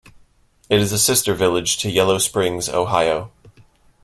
It is a sister village to Yellow Springs, Ohio.